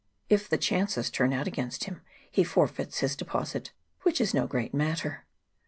If the chances turn out against him, he forfeits his deposit, which is no great matter.